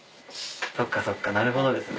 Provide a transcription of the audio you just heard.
そっかそっかなるほどですね。